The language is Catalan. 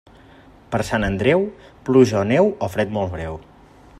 Per Sant Andreu, pluja o neu o fred molt breu.